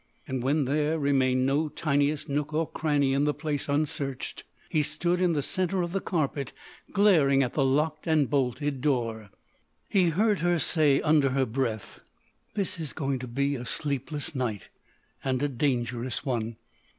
And when there remained no tiniest nook or cranny in the place unsearched, he stood in the centre of the carpet glaring at the locked and bolted door. He heard her say under her breath: "This is going to be a sleepless night. And a dangerous one."